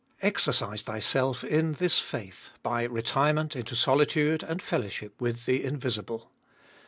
3. Exercise thyself in this faith by retirement into solitude and fellowship with the invisible.